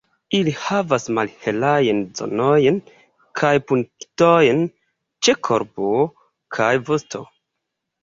Ili havas malhelajn zonojn kaj punktojn ĉe korpo kaj vosto.